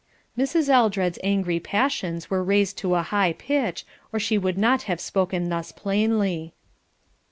Mrs. Eldred's angry passions were raised to a high pitch, or she would not have spoken thus plainly.